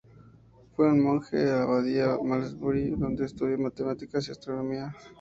Fue un monje de la Abadía de Malmesbury, donde estudió matemáticas y astronomía.